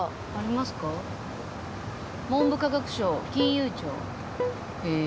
「文部科学省」「金融庁」へえ。